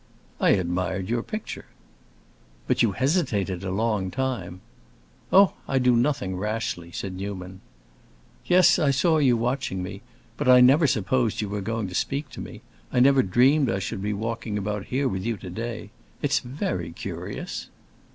"I admired your picture." "But you hesitated a long time." "Oh, I do nothing rashly," said Newman. "Yes, I saw you watching me. But I never supposed you were going to speak to me. I never dreamed I should be walking about here with you to day. It's very curious."